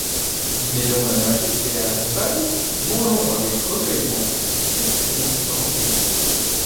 Mêlons la majesté à la ripaille ; mangeons avec recueillement ; festinons lentement.